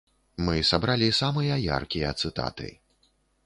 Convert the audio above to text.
Мы сабралі самыя яркія цытаты.